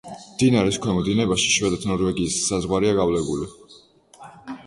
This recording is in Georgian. მდინარის ქვემო დინებაში შვედეთ-ნორვეგიის საზღვარია გავლებული.